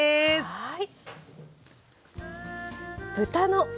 はい。